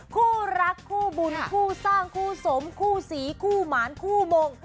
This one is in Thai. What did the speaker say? คู่รักคู่บุญคู่สร้างคู่สมคู่สีคู่หมานคู่มง